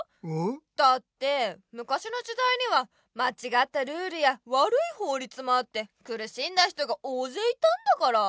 だってむかしの時だいにはまちがったルールやわるいほうりつもあってくるしんだ人が大ぜいいたんだから！